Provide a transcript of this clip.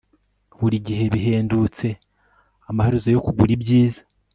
Burigihe bihendutse amaherezo yo kugura ibyiza